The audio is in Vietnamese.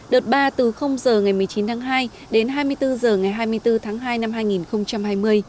đợt ba từ h ngày một mươi chín tháng hai đến hai mươi bốn h ngày hai mươi bốn tháng hai năm hai nghìn hai mươi